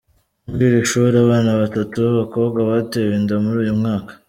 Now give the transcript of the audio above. Muri iri shuri, abana batatu b’abakobwa batewe inda muri uyu mwaka.